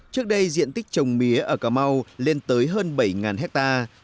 trước đây diện tích trồng mía ở cà mau lên tới hơn bảy hectare